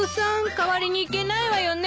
代わりに行けないわよね？